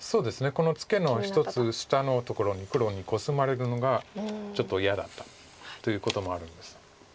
このツケの１つ下のところに黒にコスまれるのがちょっと嫌だったということもあるんです。